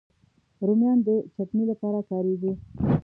رومیان د چټني لپاره کارېږي